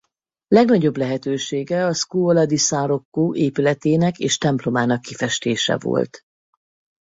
Legnagyobb lehetősége a Scuola di San Rocco épületének és templomának kifestése volt.